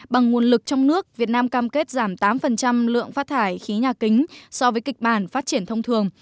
bằng nguồn lực trong nước việt nam cam kết giảm tám lượng phát thải khí nhà kính so với kịch bản phát triển thông thường